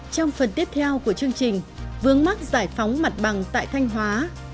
trong phần tiếp theo của chương trình vướng mắc giải phóng mặt bằng tại thanh hóa